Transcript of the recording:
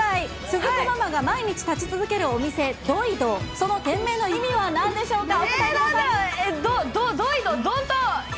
すず子ママが毎日立ち続けるお店、ドイド、その店名の意味はなんでしょうか。